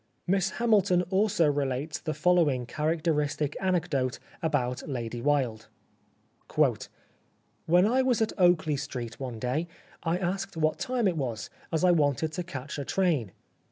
" Miss Hamilton also relates the following characteristic anecdote about Lady Wilde. " When I was at Oakley Street one day, I asked what time it was, as I wanted to catch a train.